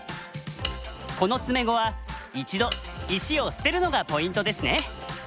この詰碁は一度石を捨てるのがポイントですね。